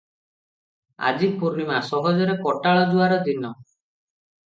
ଆଜି ପୂର୍ଣ୍ଣିମା - ସହଜରେ କଟାଳ ଜୁଆର ଦିନ ।